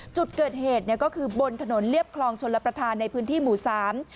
จุดเกิดเหตุเนี่ยก็คือบนถนนเรียบคลองชลประธานในพื้นที่หมู่สาม